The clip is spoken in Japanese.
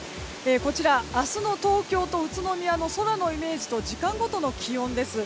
こちら、明日の東京と宇都宮の空のイメージと時間ごとの気温です。